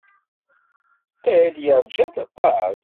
Ted yeṛja-tt aṭas.